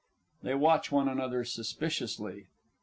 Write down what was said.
[_They watch one another suspiciously.